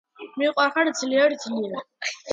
მიყვარხარ ძლიერ ძლიერ